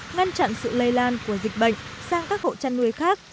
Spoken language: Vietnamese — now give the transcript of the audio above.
ngăn chặn sự lây lan của dịch bệnh sang các hộ chăn nuôi khác